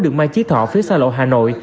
đường mai trí thọ phía xa lội hà nội